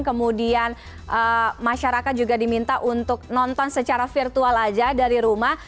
kemudian masyarakat juga diminta untuk nonton secara virtual aja dari rumah